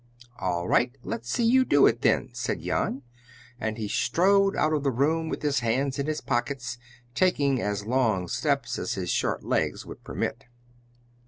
"All right, let's see you do it, then," said Jan. And he strode out of the room with his hands in his pockets, taking as long steps as his short legs would permit.